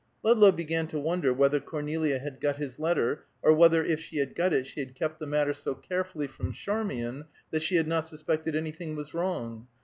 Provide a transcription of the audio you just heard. Ludlow began to wonder whether Cornelia had got his letter, or whether, if she had got it, she had kept the matter so carefully from Charmian that she had not suspected anything was wrong.